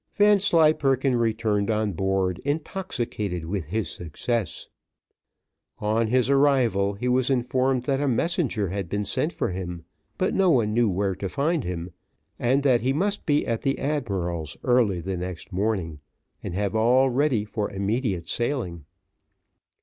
Vanslyperken returned on board intoxicated with his success. On his arrival, he was informed that a messenger had been sent for him, but no one knew where to find him, and that he must be at the admiral's early the next morning, and have all ready for immediate sailing.